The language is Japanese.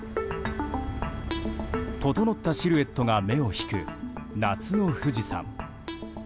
整ったシルエットが目を引く夏の富士山。